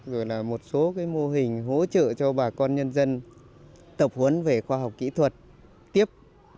rồi là một số mô hình hỗ trợ cho bà con nhân dân tập huấn về khoa học kỹ thuật tiếp